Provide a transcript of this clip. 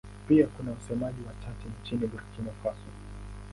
Pia kuna wasemaji wachache nchini Burkina Faso.